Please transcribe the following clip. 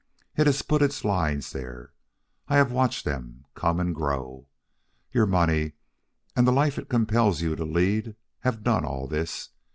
It has put its lines there. I have watched them come and grow. Your money, and the life it compels you to lead have done all this.